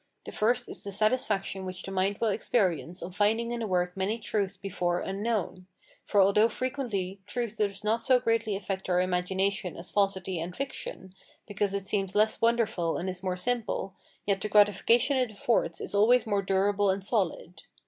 The first is the satisfaction which the mind will experience on finding in the work many truths before unknown; for although frequently truth does not so greatly affect our imagination as falsity and fiction, because it seems less wonderful and is more simple, yet the gratification it affords is always more durable and solid.